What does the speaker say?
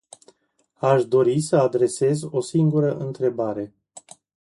Aș dori să adresez o singură întrebare.